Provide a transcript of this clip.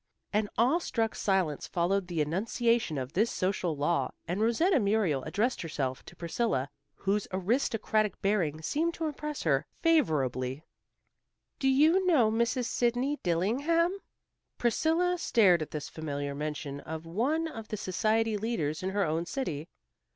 An awestruck silence followed the enunciation of this social law, and Rosetta Muriel addressed herself to Priscilla, whose aristocratic bearing seemed to impress her favorably. "Do you know Mrs. Sidney Dillingham?" Priscilla stared at this familiar mention of one of the society leaders in her own city.